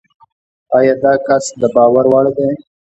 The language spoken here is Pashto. ایا داکس دباور وړ دی؟